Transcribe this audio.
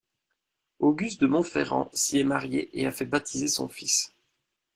Auguste de Montferrand s’y est marié et a fait baptiser son fils.